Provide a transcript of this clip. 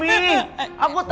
tidak tolong pak rete